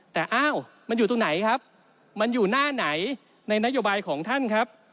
แต่อ้าวมันอยู่ตรงไหนครับมันอยู่หน้าไหนในนโยบายของท่านครับ